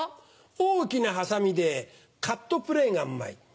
大きなハサミでカットプレーがうまい。